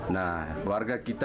nah keluarga kita